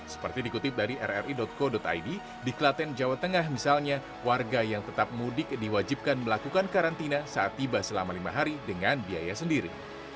seperti dikutip dari rri co id di klaten jawa tengah misalnya warga yang tetap mudik diwajibkan melakukan karantina saat tiba selama lima hari dengan biaya sendiri